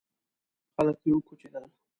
خلک ترې وکوچېدل.